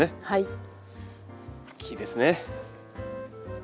はい。